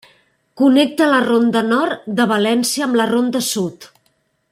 Connecta la Ronda Nord de València amb la Ronda Sud.